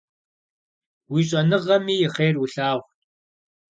Уи щӏэныгъэми и хъер улъагъу!